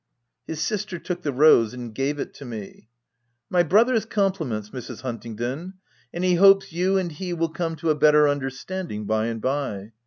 His sister took the rose and gave it to me. " My brother's compliments, Mrs. Hunting don, and he hopes you and he will come to a better understanding by and by.